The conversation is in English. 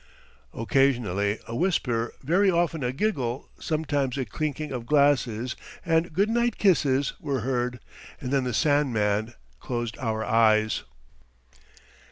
Occasionally a whisper, very often a giggle, sometimes a clinking of glasses, and good night kisses, were heard, and then the sand man closed our eyes.